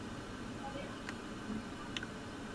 服务于沿线的市区内工厂企业。